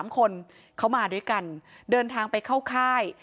๓คนเขามาด้วยกันเดินทางไปเข้าค่าย